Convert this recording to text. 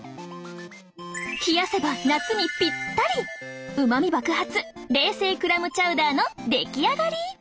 冷やせば夏にぴったりうまみ爆発冷製クラムチャウダーの出来上がり！